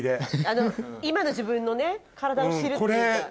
今の自分の体を知るっていうか。